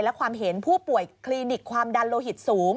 และความเห็นผู้ป่วยคลินิกความดันโลหิตสูง